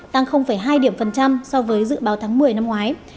tăng hai so với dự báo tháng một mươi năm ngoái